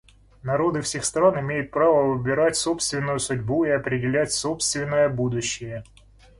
Народы всех стран имеют право выбирать собственную судьбу и определять собственное будущее.